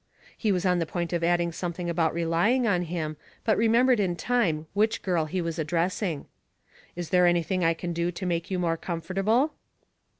He was on the point of adding something about relying on him, but remembered in time which girl he was addressing. "Is there anything I can do to make you more comfortable?"